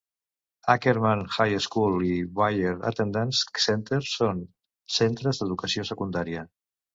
Ackerman High School i Weir Attendance Center són centres d'educació secundària.